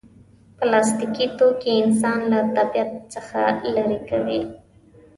پلاستيکي توکي انسان له طبیعت څخه لرې کوي.